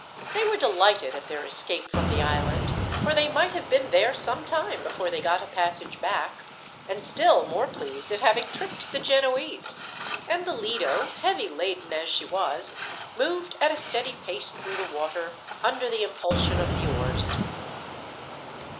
They were delighted at their escape from the island, for they might have been there some time before they got a passage back; and still more pleased at having tricked the Genoese; and the Lido, heavy laden as she was, moved at a steady pace through the water, under the impulsion of the oars.